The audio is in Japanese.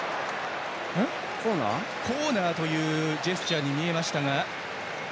コーナーというジェスチャーに見えましたが。